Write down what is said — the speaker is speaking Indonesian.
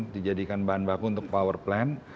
dijadikan bahan baku untuk power plan